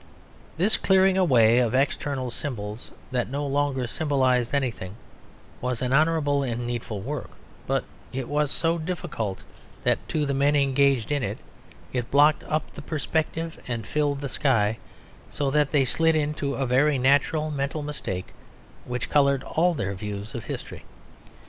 This clearing away of external symbols that no longer symbolised anything was an honourable and needful work; but it was so difficult that to the men engaged in it it blocked up the perspective and filled the sky, so that they slid into a very natural mental mistake which coloured all their views of history.